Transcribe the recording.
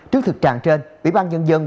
trước thực trạng trên ủy ban nhân dân